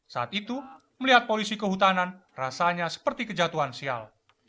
saat itu melihat polisi kehutanan rasanya seperti kejatuhan sial